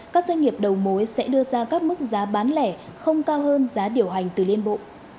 các doanh nghiệp đầu mối sẽ đưa ra các mức giá bán lẻ không cao hơn giá điều hành từ liên bộ